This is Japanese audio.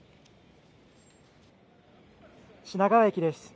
品川駅です。